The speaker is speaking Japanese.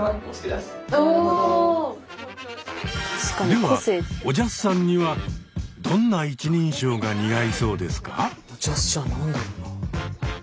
ではおじゃすさんにはどんな一人称が似合いそうですか？